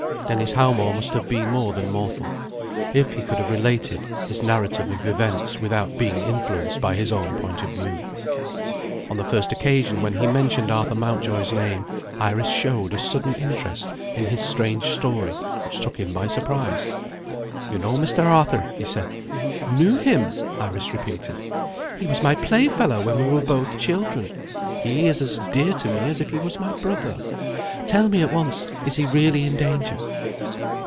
Dennis Howmore must have been more than mortal, if he could have related his narrative of events without being influenced by his own point of view. On the first occasion when he mentioned Arthur Mountjoy's name, Iris showed a sudden interest in his strange story which took him by surprise. "You know Mr. Arthur?" he said. "Knew him!" Iris repeated. "He was my playfellow when we were both children. He is as dear to me as if he was my brother. Tell me at once is he really in danger?"